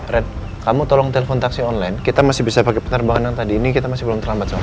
red kamu tolong telpon taksi online kita masih bisa pakai penerbangan yang tadi ini kita masih belum terlambat sama